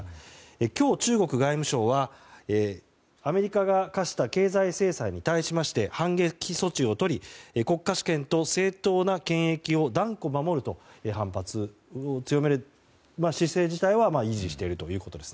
今日、中国外務省はアメリカが科した経済制裁に対しまして反撃措置をとり国家試験と正当な権益を断固守ると反発を強める姿勢自体は維持しているということです。